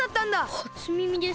はつみみです。